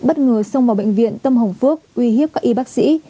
bất ngờ xông vào bệnh viện tâm hồng phước uy hiếp các y bác sĩ